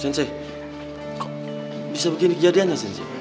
sensei bisa begini kejadiannya